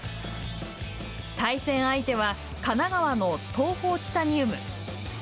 対戦相手は神奈川の東邦チタニウム。